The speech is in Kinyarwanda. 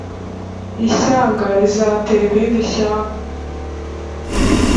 ishyanga rizatera irindi shyanga